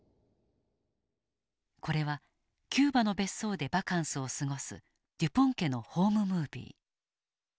これはキューバの別荘でバカンスを過ごすデュポン家のホームムービー。